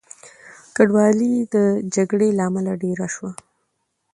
کډوالۍ د جګړې له امله ډېره شوه.